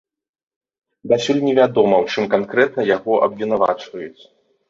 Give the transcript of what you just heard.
Дасюль невядома, у чым канкрэтна яго абвінавачваюць.